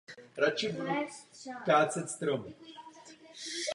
Původním povoláním byl soudce.